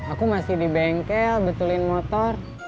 aku masih di bengkel betulin motor